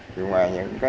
nhưng mà những cái